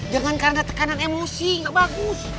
jangan karena tekanan emosi gak bagus